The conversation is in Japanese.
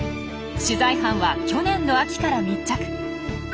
取材班は去年の秋から密着！